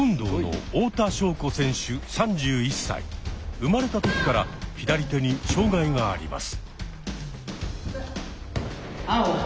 生まれた時から左手に障害があります。